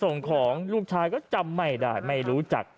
ส่งของลูกชายก็จำไม่ได้ไม่รู้จัก